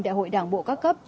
đại hội đảng bộ các cấp